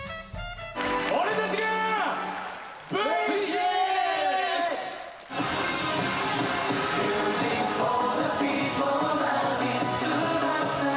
俺たちが！